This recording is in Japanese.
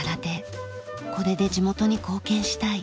「これで地元に貢献したい」。